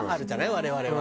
我々は。